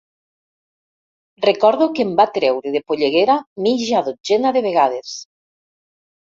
Recordo que em va treure de polleguera mitja dotzena de vegades.